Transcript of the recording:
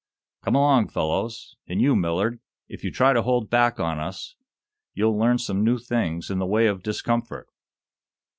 Come along, fellows! And you, Millard, if you try to bold back on us, you'll learn some new things in the way of discomfort!"